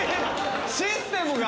システムが。